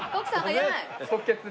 即決で。